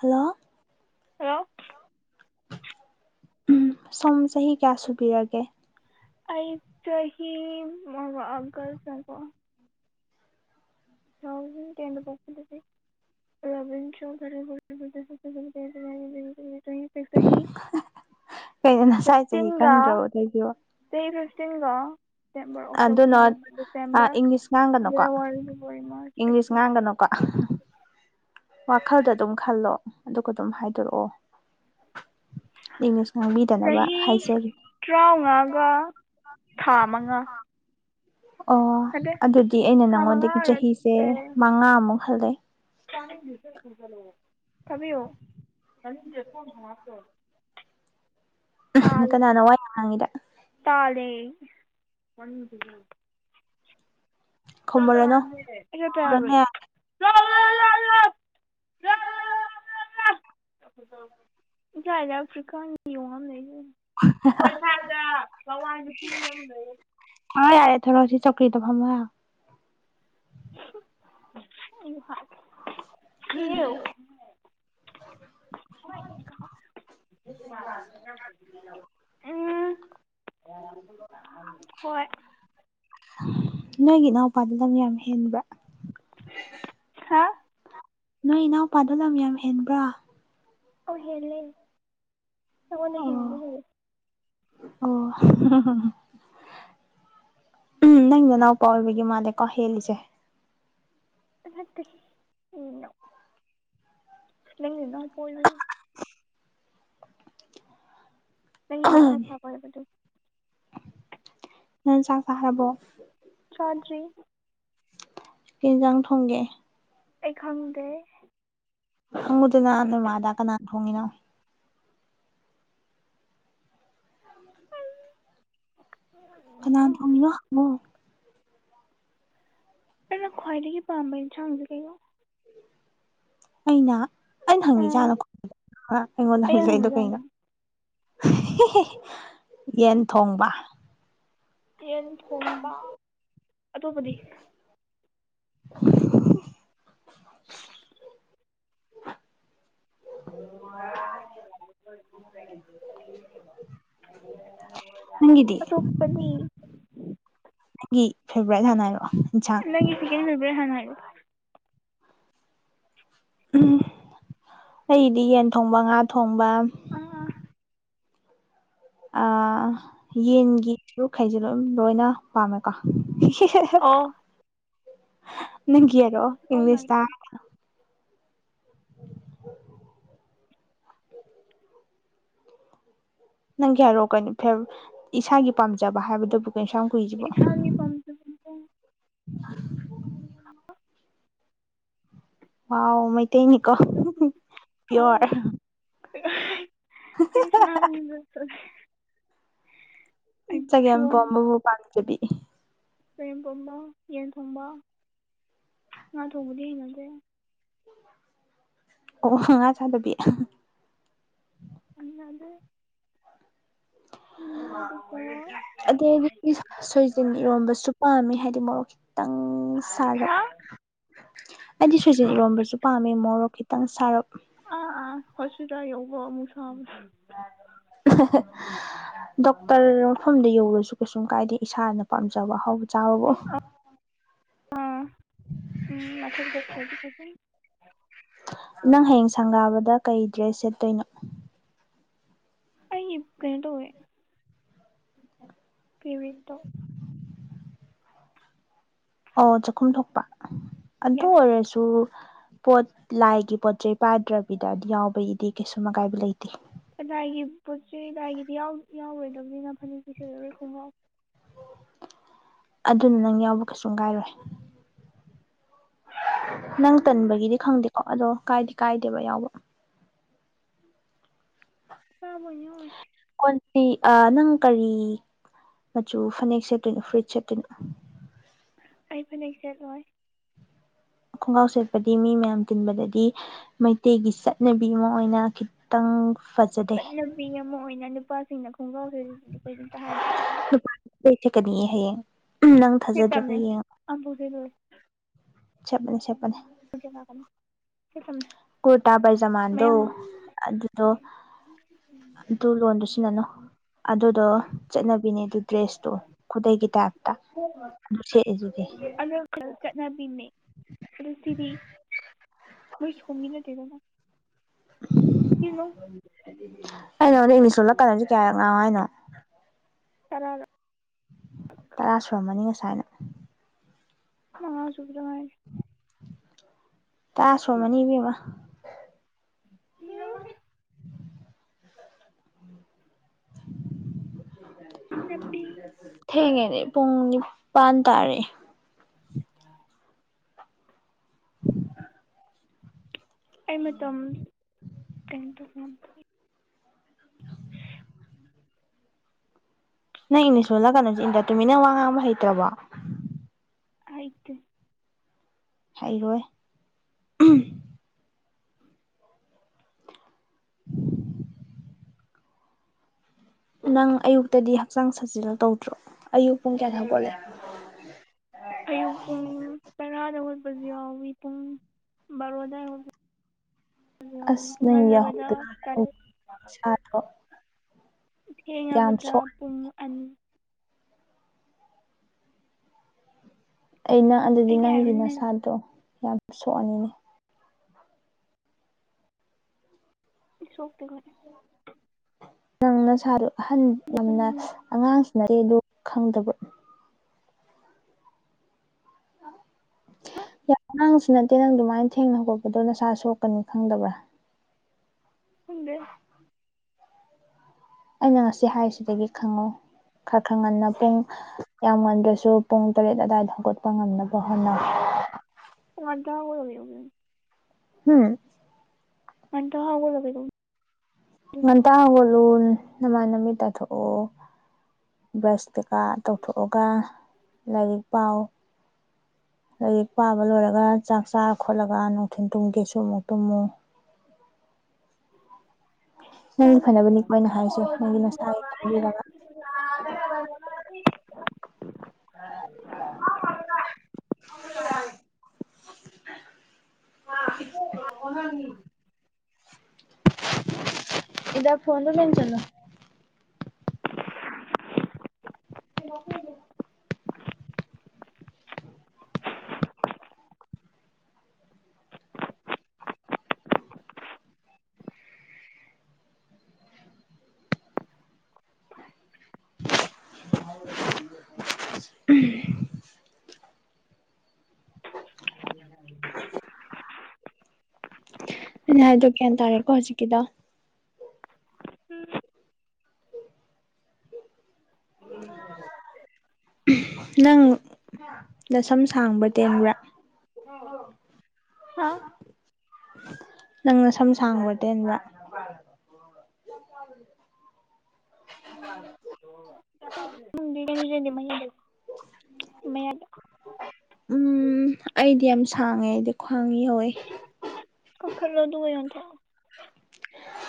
hello hello ꯎꯝ ꯁꯣꯝ ꯆ ꯑꯩꯆꯍꯤ ꯃꯥ ꯑꯥꯒ꯭ꯁꯠ ꯉꯥꯏꯈꯣ ꯇꯨꯊꯥꯎꯖꯟ ꯇꯦꯟꯗ ꯄꯣꯛꯄꯗꯒꯤ [unintelligible] ꯆꯍꯤ ꯐꯤꯐꯇꯤꯟꯒꯥ ꯆꯍꯤ ꯐꯤꯐ ꯀꯩꯅꯣ ꯅꯁꯥꯏ ꯆꯍꯤ ꯈꯪꯗ꯭ꯔꯕꯣ ꯇꯧꯏꯁꯤꯕꯣ ꯐꯤꯇꯤꯟꯒ ꯁꯦꯞꯇꯦꯝꯕꯔ ꯑꯣꯛꯇꯣꯕꯔ ꯑꯗꯨꯅ ꯅꯕꯦꯝꯕꯔ ꯏꯪꯂꯤꯁ ꯗꯤꯁꯦꯝꯕꯔ ꯉꯥꯡꯒꯅꯨꯀꯣ January February March English April ꯉꯥꯡꯒꯅꯣ ꯀ ꯋꯥꯈꯜꯗ ꯑꯗꯨꯝ ꯈꯜꯂꯣ ꯑꯗꯨꯒ ꯑꯗꯨꯝ ꯍꯥꯏꯗꯣꯔꯛꯑꯣ ꯏꯪꯂꯤꯁ ꯉꯥꯡꯕꯤꯗꯅꯕ ꯆꯍꯤ ꯍꯥꯏꯖꯔꯤ ꯇꯔꯥꯃꯉꯥꯒ ꯊꯥ ꯃꯉꯥ ꯍꯥꯥ ꯑꯣ ꯅꯠꯇꯦ ꯑꯗꯨꯗꯤ ꯑꯩꯅ ꯊꯥ ꯃꯉꯥ ꯅꯪꯉꯣꯟꯗꯒꯤ ꯆꯍꯤꯁꯦ ꯃꯉꯥꯃꯨꯛ ꯍꯜꯂꯦ ꯇꯅꯤꯡꯗꯦ ꯏꯁꯩꯗꯣ ꯃꯨꯠꯊꯠꯂꯣ [unintelligible] ꯇꯥꯜꯂꯦ ꯀꯅꯥꯅ ꯋꯥ ꯌꯥꯝ ꯉꯥꯡꯉꯤꯗ ꯇꯥꯜꯂꯦ [unintelligible] [unintelligible] ꯈꯨꯝꯃꯨꯔꯅꯨ ꯈꯨꯝꯃꯨꯔꯅꯨ ꯌꯥꯔꯦ ꯈꯣꯏ ꯁꯥꯥꯏꯗ ꯂꯋꯥꯏ ꯅꯨꯄꯤ ꯑꯃ ꯂꯩꯌꯦ ꯑꯥ ꯌꯥꯔꯦ ꯊꯔꯣ ꯁꯤ ꯆꯧꯀꯔꯤꯗ ꯐꯝꯃꯨ ꯂꯥꯎ [unintelligible] ꯎꯝ ꯍꯣꯏ ꯅꯣꯏꯒꯤ ꯏꯅꯥꯎꯄꯥꯗꯨ ꯂꯝ ꯌꯥꯝ ꯍꯦꯟꯕ꯭ꯔꯥ ꯍꯥ ꯅꯣꯏ ꯏꯅꯥꯎꯄꯥꯗꯣ ꯂꯝ ꯌꯥꯝ ꯍꯦꯟꯕ꯭ꯔꯣ ꯑꯧ ꯍꯦꯜꯂꯦ ꯅꯉꯣꯟꯗꯒꯤ ꯍꯦꯟꯅꯗꯤ ꯑꯣ ꯍꯦꯜꯂꯦ ꯑꯣ ꯎꯝ ꯅꯅꯥꯎꯄ ꯑꯣꯏꯕꯒꯤ ꯃꯥꯜꯂꯦꯀꯣ ꯍꯦꯜꯂꯤꯁꯦ ꯅꯠꯇꯦ ꯅꯣ ꯅꯪ ꯅꯅꯥꯎꯄ ꯑꯣꯏꯕꯩꯅꯤ ꯑꯩꯒꯤ ꯃꯈꯥ ꯊꯥꯕ ꯑꯣꯏꯕꯗꯣ ꯅꯪ ꯆꯥꯛ ꯆꯥꯔꯕꯣ ꯆꯥꯗ꯭ꯔꯤ ꯀꯩꯍꯤꯟꯖꯥꯡ ꯊꯣꯡꯒꯦ ꯑꯩ ꯈꯪꯗꯦ ꯍꯪꯉꯨꯗꯅ ꯅꯣꯏꯃꯥꯗ ꯀꯅꯥ ꯊꯣꯡꯉꯤꯅꯣ ꯀꯅꯥ ꯎꯝ ꯊꯣꯡꯉꯤꯅꯣ ꯍꯪꯉꯣ ꯑꯩꯅ ꯈ꯭ꯋꯥꯏꯗꯒꯤ ꯄꯝꯕ ꯏꯟꯁꯥꯡꯁꯦ ꯀꯩꯩꯅꯣ ꯑꯩꯅ ꯑꯩꯅ ꯍꯪꯉꯤꯖꯦ ꯍꯥꯟꯅ ꯈꯨꯝꯃꯣ ꯒ ꯑꯩꯉꯣꯟꯗ ꯍꯪꯖꯜꯂꯛꯢꯗꯣ ꯀꯩꯅꯣ ꯍꯪꯕꯁꯦ ꯍꯤꯍꯤꯍꯤ ꯌꯦꯟ ꯊꯣꯡꯕ ꯌꯦꯟ ꯊꯣꯡꯕ ꯑꯇꯣꯞꯄꯗꯤ [unintelligible] [unintelligible] ꯅꯪꯒꯤꯗꯤ [unintelligible] ꯒꯤ ꯐꯦꯕ꯭ꯔꯥꯏꯠ ꯍꯥꯟꯅ ꯍꯥꯢꯔꯛꯑꯣ ꯅꯪꯒꯤ ꯁꯤꯀꯦꯟ ꯐꯦꯕ꯭ꯔꯥꯢꯠ ꯍꯥꯟꯅ ꯍꯥꯏꯔꯛꯑꯣ ꯎꯝ ꯑꯩꯗꯤ ꯌꯦꯟ ꯊꯣꯡꯕ ꯉꯥ ꯊꯣꯡꯕ ꯑꯥ ꯑꯥ ꯌꯦꯟꯒꯤ ꯁꯔꯨꯛꯈꯩꯁꯦ ꯂꯣꯝ ꯂꯣꯏꯅ ꯄꯥꯝꯃꯦꯀꯣ ꯢꯍꯦꯍꯦꯍꯦ ꯑꯣ ꯅꯪꯒꯤ ꯍꯥꯢꯔꯛꯑꯣ ꯑꯣ ꯃꯥꯏ ꯏꯪꯂꯤꯁꯇ ꯅꯪꯒꯤ ꯍꯥꯏꯔꯛꯑꯣ ꯀꯩꯅꯣ ꯐꯦꯐ ꯏꯁꯥꯒꯤ ꯄꯥꯝꯖꯕ ꯍꯥꯏꯕꯗꯕꯨ ꯢꯁꯥꯒꯤ ꯄꯥꯝꯖꯕꯗ [inaudible] ꯍꯥ ꯋꯥꯎ ꯃꯩꯇꯩꯅꯤꯀꯣ ꯍꯝꯍꯝ ꯄꯤꯌꯣꯔ ꯑꯩꯈꯣꯢ ꯁꯅꯥꯃꯍꯤꯗ ꯆꯠꯂꯦ ꯏ ꯑꯩ ꯆꯒꯦꯝꯄꯣꯝꯕꯕꯨ ꯄꯥꯝꯖꯕꯤ ꯆꯒꯦꯝꯄꯣꯝꯕ ꯌꯦꯟ ꯊꯣꯡꯕ ꯉꯥ ꯊꯣꯡꯕꯗꯤ ꯍꯩꯅꯗꯦ ꯑꯣ ꯉꯥ ꯆꯥꯗꯕꯤ ꯑꯍꯥ ꯍꯩꯅꯗꯦ ꯎꯝ ꯑꯗꯨꯒ ꯑꯗꯩꯗꯤ ꯢꯟꯁꯥꯡ ꯁꯣꯏꯖꯤꯟ ꯏꯔꯣꯝꯕꯁꯨ ꯄꯥꯝꯃꯦ ꯍꯥꯏꯗꯤ ꯃꯣꯔꯣꯛ ꯈꯤꯠ ꯈꯤꯇꯪ ꯍꯥ ꯁꯥꯔꯞ ꯑꯩꯗꯤ ꯁꯣꯢꯖꯤꯟ ꯢꯔꯣꯟꯕꯁꯨ ꯄꯥꯝꯃꯦ ꯃꯣꯔꯣꯛ ꯈꯤꯇꯪ ꯁꯥꯔꯞ ꯑ ꯑ ꯍꯣꯁꯄꯤꯇꯥꯜ ꯌꯧꯕ ꯑꯃꯨꯛ ꯁꯥꯕ ꯑꯍꯥꯍꯥ ꯗꯣꯛꯇꯔ ꯃꯐꯝꯗ ꯌꯧꯔꯁꯨ ꯀꯩꯁꯨꯝ ꯀꯥꯏꯗꯦ ꯏꯁꯥꯅ ꯄꯥꯝꯖꯕ ꯑꯍꯥꯎꯕ ꯆꯥꯕꯕꯨ ꯑꯥ ꯎꯝ ꯃꯊꯛꯇ ꯈꯦꯗꯤ ꯈꯣꯢꯊꯨꯝ ꯅꯪ ꯍꯌꯦꯡ ꯁꯪꯒꯥꯕꯗ ꯀꯩ ꯗ꯭ꯔꯦꯁ ꯁꯦꯠꯇꯣꯏꯅꯣ ꯑꯩ ꯀꯩꯅꯣ ꯊꯧꯋꯦ ꯄꯤꯔꯤꯠ ꯇꯣ ꯑꯣ ꯆꯥꯛꯈꯨꯝ ꯊꯣꯛꯄ ꯑꯗꯨ ꯌꯦꯁ ꯑꯣꯏꯔꯁꯨ ꯄꯣꯠ ꯂꯥꯏꯒꯤ ꯄꯣꯠ ꯆꯩꯩ ꯄꯥꯗ꯭ꯔꯕꯤꯗ ꯌꯥꯎꯕꯒꯤꯗꯤ ꯀꯩꯁꯨꯝ ꯑꯀꯥꯏꯕ ꯂꯩꯇꯦ ꯑ ꯂꯥꯏꯒꯤ ꯄꯣꯠ ꯆꯩ ꯂꯥꯏꯒꯤꯗꯤ ꯌꯥꯎ ꯌꯥꯎꯔꯣꯏꯗꯕꯅꯤꯅ ꯐꯅꯦꯛꯇꯤ ꯁꯦꯠꯂꯔꯣꯏ ꯈꯣꯡꯒꯥꯎ ꯑꯗꯨꯅ ꯅꯪ ꯌꯥꯎꯕ ꯀꯩꯁꯨꯝ ꯀꯥꯏꯔꯣꯏ ꯅꯪ ꯎꯝ ꯇꯟꯕꯒꯤꯗꯤ ꯈꯪꯗꯦꯀꯣ ꯑꯗꯣ ꯀꯥꯏꯗꯤ ꯀꯥꯏꯗꯦꯕ ꯌꯥꯎꯕ ꯑꯄꯥꯕ ꯑꯣꯏꯅ ꯑꯣꯏꯔꯁꯤ ꯀꯨꯟ ꯄꯤ ꯑ ꯅꯪ ꯀꯔꯤ ꯃꯆꯨ ꯐꯅꯦꯛ ꯁꯦꯠꯇꯣꯏꯅꯣ ꯐꯨꯔꯤꯠ ꯁꯦꯠꯇꯣꯏꯅꯣ ꯑꯩ ꯐꯥꯅꯦꯛ ꯁꯦꯠꯂꯣꯏ ꯈꯣꯡꯒ꯭ꯔꯥꯎ ꯁꯦꯠꯄꯗꯤ ꯃꯤ ꯃꯌꯥꯝ ꯇꯤꯟꯕꯗꯗꯤ ꯃꯩꯇꯩꯒꯤ ꯆꯠꯅꯕꯤ ꯑꯃ ꯑꯣꯏꯅ ꯈꯤꯇꯪ ꯐꯖꯗꯦ ꯁꯤꯡꯅ ꯈꯣꯡꯒꯥꯎ ꯁꯦꯠꯂꯤꯁꯤꯗꯤ ꯀꯔꯤꯝꯇ ꯍꯥꯏꯗ꯭ꯔꯥꯒ ꯂꯣꯢ ꯁꯦꯠꯀꯅꯤꯌꯦ ꯍꯥꯌꯦꯡ ꯁꯦꯠꯇꯝꯅꯦ ꯑꯝꯕꯨꯛ ꯁꯦꯠꯂꯣꯢ ꯁꯦꯠꯄꯅꯦ ꯁꯦꯠꯄꯅꯦ ꯂꯣꯢ ꯁꯦꯠ ꯂꯥꯛꯀꯅꯤ ꯀꯨꯔꯇꯥ ꯕꯥꯢꯖꯃꯥꯟꯗꯣ ꯑꯗꯨꯗꯣ ꯑꯗꯨ ꯂꯣꯟꯗꯣ ꯁꯤꯖꯟꯅꯅꯨ ꯑꯗꯨꯗꯣ ꯆꯠꯅꯕꯤꯅꯦ ꯑꯗꯨ ꯗ꯭ꯔꯦꯁꯇꯣ ꯈꯨꯗꯩꯒꯤ ꯇꯥꯏꯞꯇ ꯁꯦꯠꯂꯤꯗꯨꯗꯤ ꯑꯗꯣ ꯆꯠꯅꯕꯤꯅꯦ ꯑꯗꯨ ꯁꯤꯗꯤ ꯃꯣꯏ ꯁꯣꯝꯒꯤ ꯅꯠꯇꯦꯗ ꯚꯥꯏ ꯑꯩꯅ ꯅꯉꯣꯟꯗ ꯏꯪꯂꯤꯁ ꯂꯣꯜꯂꯛꯀꯅꯣ ꯁꯤ ꯀꯌꯥꯔꯛ ꯉꯥꯡꯉꯣ ꯍꯥꯏꯅꯣ ꯇꯔꯥꯔꯛ ꯁꯥꯏꯅ ꯃꯉꯥ ꯁꯨꯕꯗ ꯉꯥꯏꯔꯤ ꯇꯔꯥ ꯁꯨꯔꯝꯃꯅꯤ ꯏꯕꯦꯝꯃ [inaudible] ꯅꯨꯄꯤ ꯊꯦꯡꯉꯦꯅꯦ ꯄꯨꯡ ꯅꯤꯄꯥꯟ ꯇꯥꯔꯦ ꯑꯩ ꯃꯇꯝ ꯀꯩꯝ ꯇꯧꯕ ꯉꯝ ꯅꯪ ꯏꯪꯂꯤꯁ ꯂꯣꯜꯂꯛꯀꯅꯣꯁꯦ ꯏꯟꯗ ꯇꯨꯃꯤꯟꯅ ꯋꯥ ꯉꯥꯡꯕ ꯍꯩꯇ꯭ꯔꯕꯣ ꯍꯩꯇꯦ ꯍꯩꯔꯣꯏ ꯎꯝ [unintelligible] ꯅꯪ ꯑꯌꯨꯛꯇꯗꯤ ꯍꯛꯆꯥꯡ ꯁꯥꯖꯤꯜ ꯇꯧꯗ꯭ꯔꯣ ꯑꯌꯨꯛ ꯄꯨꯡ ꯀꯌꯥꯗ ꯍꯧꯒꯠꯂꯦ ꯑꯌꯨꯛ ꯄꯨꯡ ꯇꯔꯥꯗ ꯍꯧꯒꯠꯂꯤ [unintelligible] ꯑꯁ ꯅꯪ ꯌꯥꯍꯧ ꯗꯗꯤ ꯇꯔꯦꯠ ꯅꯪ ꯁꯥꯗ꯭ꯔꯣ ꯊꯦꯡꯉꯕꯗ ꯄꯨꯡ ꯑꯟ ꯑꯩꯅ ꯑꯗꯨꯗꯤ ꯑꯩꯗꯤ ꯅꯪꯒꯤ ꯑꯥꯏꯔꯟ ꯃꯦꯟ ꯅꯁꯥꯗꯣ ꯌꯥꯝ ꯁꯣꯛꯑꯅꯤꯅꯦ ꯁꯣꯛꯇꯦ ꯈꯣꯏ ꯅꯪ ꯅꯁꯥꯗꯣ ꯑꯍꯟ ꯌꯥꯝꯅ ꯑꯉꯥꯡꯁꯨ ꯅꯠꯇꯦ ꯑꯗꯣ ꯈꯪꯗꯕ꯭ꯔꯣ [inaudible] ꯌꯥꯝ ꯑꯉꯥꯡꯁꯨ ꯅꯠꯇꯦ ꯅꯪ ꯑꯗꯨꯃꯥꯏꯅ ꯊꯦꯡꯅ ꯈꯣꯠꯄꯗꯣ ꯅꯁꯥ ꯁꯣꯛꯀꯅꯤ ꯈꯪꯗꯕ꯭ꯔꯥ ꯈꯪꯗꯦ ꯑꯩꯅ ꯉꯁꯤ ꯍꯥꯏꯔꯤꯁꯤꯗꯒꯤ ꯈꯪꯉꯣ ꯈꯔ ꯈꯔ ꯉꯟꯅ ꯄꯨꯡ ꯌꯥꯝ ꯉꯟꯗ꯭ꯔꯁꯨ ꯄꯨꯡ ꯇꯔꯦꯠ ꯑꯗꯨꯋꯥꯏꯗ ꯍꯧꯒꯠꯄ ꯉꯝꯅꯕ ꯍꯣꯠꯅꯧ [unintelligible] ꯍꯨꯡ ꯉꯟꯇꯥ ꯍꯧꯒꯠꯂꯒ ꯀꯩꯗꯧ ꯂꯣꯟ ꯅꯃꯥꯏ ꯅꯃꯤꯠ ꯇꯥꯊꯣꯛꯑꯣ ꯕ꯭ꯔꯁ ꯀꯩꯀꯥ ꯇꯧꯊꯣꯛꯑꯒ ꯂꯥꯏꯔꯤꯛ ꯄꯥꯎ [inaudible] ꯂꯥꯏꯔꯤꯛ ꯄꯥꯕ ꯂꯣꯏꯔꯒ ꯆꯥꯛ ꯆꯥꯔ ꯈꯣꯠꯂꯒ ꯅꯨꯡꯊꯤꯟ ꯇꯨꯝꯒꯦꯁꯨ ꯑꯃꯨꯛ ꯇꯨꯝꯃꯨ [inaudible] ꯅꯪꯒꯤ ꯐꯅꯕꯅꯤꯀꯣ ꯑꯩꯅ ꯍꯥꯏꯁꯦ ꯅꯪꯒꯤ ꯅꯁꯥꯒꯤ ꯈꯟꯕꯤꯔꯒ [inaudible] [unintelligible] [unintelligible] [unintelligible] ꯏꯟꯗꯛꯁꯟꯗ ꯂꯦꯡꯖꯜꯂꯣ [unintelligible] [inaudible] ꯎꯝ ꯑꯩꯅ ꯍꯥꯏꯗꯣ ꯒ꯭ꯌꯥꯟ ꯇꯥꯔꯦꯀꯣ ꯍꯧꯖꯤꯛꯀꯤꯗꯣ ꯅꯪ ꯅꯁꯝ ꯁꯥꯡꯕ꯭ꯔꯥ ꯇꯦꯟꯕ꯭ꯔꯥ ꯍꯥ ꯅꯪ ꯅꯁꯝ ꯁꯥꯡꯕ꯭ꯔꯥ ꯇꯦꯟꯕ꯭ꯔꯥ [inaudible] [unintelligible] [unintelligible] ꯎꯝ ꯑꯩꯗꯤ ꯌꯥꯝ ꯁꯥꯡꯉꯦ ꯑꯩꯗꯤ ꯈ꯭ꯋꯥꯡ ꯌꯧꯋꯤ ꯀꯛꯊꯠꯂꯣ ꯑꯗꯨ ꯌꯣꯟꯊꯣꯛꯑꯣ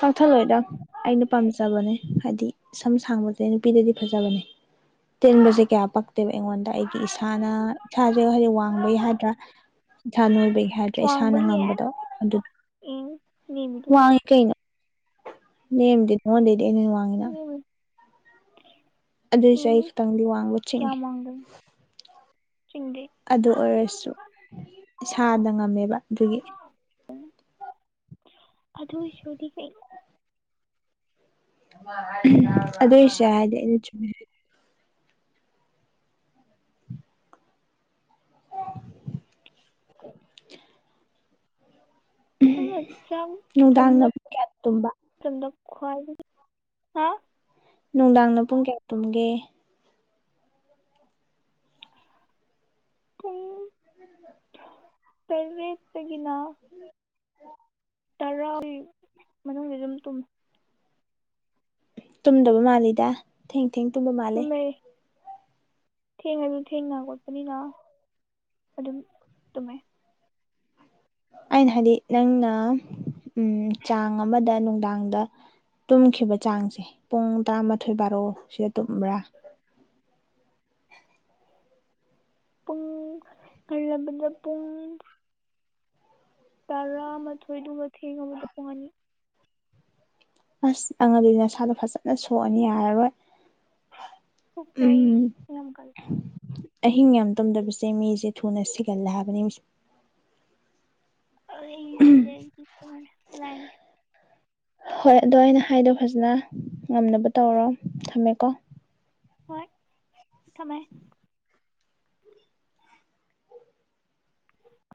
ꯀꯛꯊꯠꯂꯣꯏꯗ ꯑꯩꯅ ꯄꯥꯝꯖꯕꯅꯦ ꯍꯥꯏꯗꯤ ꯁꯝ ꯁꯥꯡꯕꯖꯦ ꯅꯨꯄꯤꯗꯗꯤ ꯐꯖꯕꯅꯦ ꯇꯦꯟꯕꯖꯦ ꯀꯌꯥ ꯄꯛꯇꯦꯕ ꯑꯩꯉꯣꯟꯗ ꯑꯩꯒꯤ ꯏꯁꯥꯅ ꯏꯁꯥꯖꯦ ꯍꯥꯏꯗꯤ ꯋꯥꯡꯕꯩ ꯍꯥꯏꯗ꯭ꯔꯥ ꯏꯁꯥ ꯅꯣꯏꯕꯒꯤ ꯍꯥꯏꯗ꯭ꯔꯦ ꯏꯁꯥꯅ ꯋꯥꯡꯕꯒꯤ ꯉꯝꯕꯗꯣ ꯑꯗꯨ ꯎꯝ ꯅꯦꯝꯃꯤꯗꯣ ꯂꯥꯡꯉꯦ ꯀꯩꯅꯣ ꯅꯦꯝꯗꯦ ꯅꯪꯉꯣꯟꯗꯩꯗꯤ ꯑꯩꯅ ꯍꯦꯟꯅ ꯋꯥꯡꯉꯤꯅ [unintelligible] ꯑꯗꯨꯏꯁꯨ ꯑꯩ ꯎꯝ ꯈꯤꯇꯪꯗꯤ ꯋꯥꯡꯕ ꯆꯤꯡꯉꯦ ꯀꯌꯥꯝ ꯋꯥꯡꯗꯕꯅꯣ ꯆꯤꯡꯗꯩ ꯑꯗꯨ ꯑꯣꯏꯔꯁꯨ ꯏꯁꯥꯗ ꯉꯝꯃꯦꯕ ꯑꯗꯨꯒꯤ ꯑꯗꯨꯏꯁꯨꯗꯤ ꯀꯩꯅꯣ ꯑꯗꯨꯏꯁꯨ ꯍꯥꯏꯔꯗꯤ ꯑꯩꯅ ꯆꯨꯝꯃꯦ [unintelligible] ꯅꯪꯅ ꯆꯥꯛ ꯅꯨꯡꯗꯥꯡꯅ ꯊꯣꯡꯕ ꯄꯨꯡ ꯀꯌꯥꯗ ꯇꯨꯝꯕ ꯃꯇꯝꯗ ꯈ꯭ꯋꯥꯏꯗꯒꯤ ꯍꯥ ꯅꯨꯡꯗꯥꯡꯅ ꯄꯨꯡ ꯀꯌꯥ ꯇꯨꯝꯒꯦ ꯄꯨꯡ ꯇꯔꯦꯠ ꯇꯒꯤꯅ ꯇꯔꯥꯒꯤ ꯃꯅꯨꯡꯗ ꯑꯗꯨꯝ ꯇꯨꯝꯃꯤ ꯇꯨꯝꯗꯕ ꯃꯥꯜꯂꯤꯗ ꯊꯦꯡ ꯊꯦꯡ ꯇꯨꯝꯕ ꯃꯥꯜꯂꯦ ꯊꯦꯡꯉꯖꯨ ꯊꯦꯡꯅ ꯍꯧꯒꯠꯄꯅꯤꯅ ꯑꯗꯨꯝ ꯇꯨꯝꯃꯦ ꯑꯩꯅ ꯍꯥꯏꯗꯤ ꯅꯪꯅ ꯆꯥꯡ ꯑꯃꯗ ꯅꯨꯡꯗꯥꯡꯗ ꯇꯨꯝꯈꯤꯕ ꯆꯥꯡꯖꯦ ꯄꯨꯡ ꯇꯔꯥꯃꯥꯊꯣꯏ ꯕꯥꯔꯣ ꯁꯤꯗ ꯇꯨꯝꯕ꯭ꯔꯥ ꯄꯨꯡ ꯉꯜꯂꯕꯗ ꯄꯨꯡ ꯇꯔꯥꯃꯥꯊꯣꯏꯗꯨꯒ ꯗꯨꯒ ꯊꯦꯡꯉꯕ ꯄꯨꯡ ꯑꯅꯤ ꯑꯁ ꯑꯪꯉꯗꯤ ꯅꯁꯥꯗꯣ ꯐꯖꯅ ꯁꯣꯛꯑꯅꯤ ꯌꯥꯔꯔꯣꯏ ꯁꯣꯛꯇꯦ ꯎꯝ ꯑꯅꯝ ꯀꯜꯂꯦ ꯑꯍꯤꯡ ꯌꯥꯝ ꯇꯨꯝꯗꯕꯁꯦ ꯃꯤꯁꯦ ꯊꯨꯅ ꯁꯤꯒꯜꯂꯦ ꯍꯥꯏꯕꯅꯤ ꯍꯨꯖꯤꯛ [unintelligible] ꯍꯣꯏ ꯑꯗꯣ ꯑꯩꯅ ꯍꯥꯏꯗꯣ ꯐꯖꯅ ꯉꯝꯅꯕ ꯇꯧꯔꯣ ꯊꯝꯃꯦꯀꯣ ꯍꯣꯏ ꯊꯝꯃꯦ